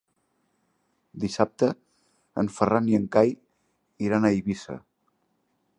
Dissabte en Ferran i en Cai iran a Eivissa.